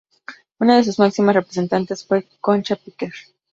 Una de sus máximas representantes fue Concha Piquer.